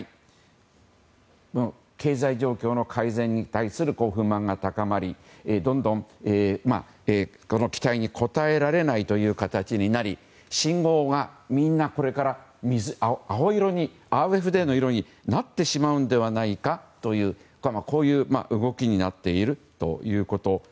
経済状況の改善に対する不満が高まりどんどん期待に応えられないという形になり信号がみんなこれからＡｆＤの青色になってしまうのではないかという動きになっていると。